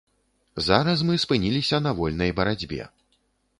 Зараз мы спыніліся на вольнай барацьбе.